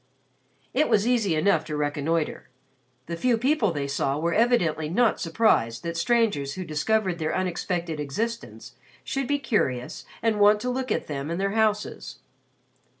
It was easy enough to reconnoiter. The few people they saw were evidently not surprised that strangers who discovered their unexpected existence should be curious and want to look at them and their houses.